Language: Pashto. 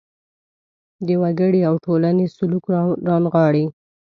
د وګړي او ټولنې سلوک رانغاړي.